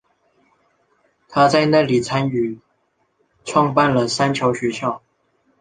她在那里参与创办了三桥学校。